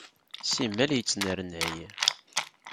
Simmal yettnernay.